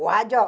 gak aja loh